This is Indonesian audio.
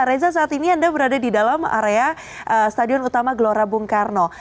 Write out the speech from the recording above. reza saat ini anda berada di dalam area stadion utama gelora bung karno